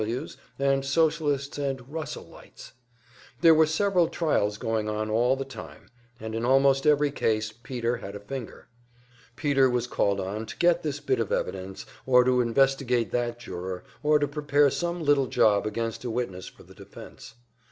W. Ws., and Socialists and "Russellites." There were several trials going on all the time, and in almost every case Peter had a finger, Peter was called on to get this bit of evidence, or to investigate that juror, or to prepare some little job against a witness for the defense.